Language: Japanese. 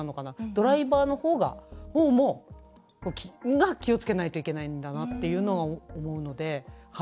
ドライバーのほうが気をつけないといけないんだなというのを思うので。